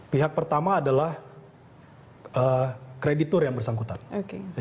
pihak pertama adalah kreditur yang bersangkutan